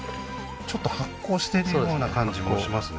ちょっと発酵してるような感じもしますね